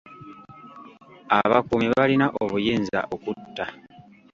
Abakuumi balina obuyinza okutta.